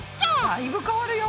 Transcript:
だいぶ変わるよ。